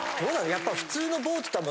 やっぱり。